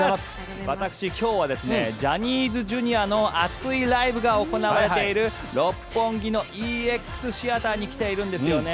私、今日はジャニーズＪｒ．の熱いライブが行われている六本木のＥＸＴＨＥＡＴＥＲに来ているんですよね。